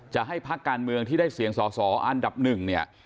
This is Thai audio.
จะให้พักการเมืองที่ได้เสียงสอสออันดับหนึ่งเนี่ย